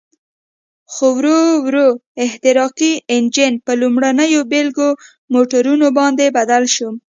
خو ورو ورو احتراقي انجن په لومړنیو بېلګه موټرونو باندې بدل شو.